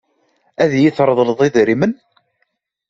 Ad iyi-treḍleḍ idrimen?